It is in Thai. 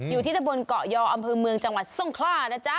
อยู่ที่ตะบนเกาะยออำเภอเมืองจังหวัดทรงคล่านะจ๊ะ